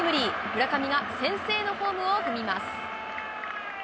村上が先制のホームを踏みます。